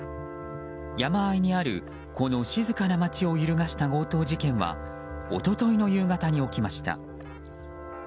山あいにあるこの静かな町を揺るがした強盗事件は一昨日の夕方に起きました。